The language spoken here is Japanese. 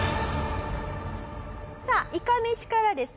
さあいかめしからですね